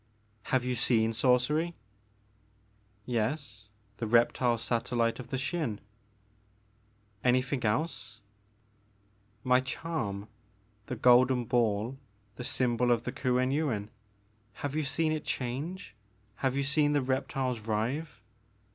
Have you seen sorcery ?"Yes, the reptile satellite of the Xin "Anything else ?"My charm, — the golden ball, the symbol of the Kuen Yuin. Have you seen it change, — have you seen the reptiles writhe